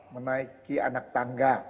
menaiki anak tangga